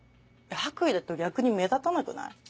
白衣だと逆に目立たなくない？